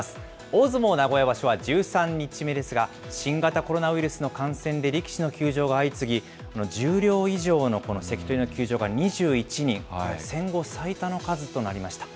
大相撲名古屋場所は１３日目ですが、新型コロナウイルスの感染で力士の休場が相次ぎ、十両以上の関取の休場が２１人、戦後最多の数となりました。